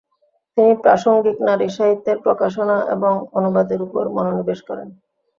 তিনি প্রাসঙ্গিক নারী সাহিত্যের প্রকাশনা এবং অনুবাদের উপর মনোনিবেশ করেন।